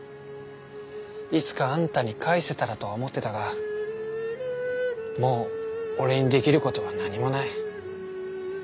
いつかあんたに返せたらとは思ってたがもう俺にできる事は何もない。